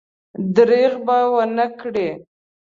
درېغ به ونه کړي.